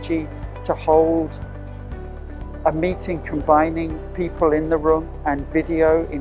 apa yang kita perlu lakukan adalah memastikan bahwa ketika kita bergerak ke depan